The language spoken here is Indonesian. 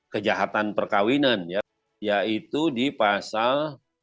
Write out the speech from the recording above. kejahatan perkawinan ya yaitu di pasal empat ratus sebelas